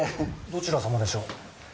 どちら様でしょう？